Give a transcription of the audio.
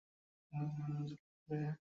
আমার একটা ছোট সাহায্য লাগবে।